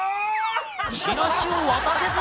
チラシを渡せず！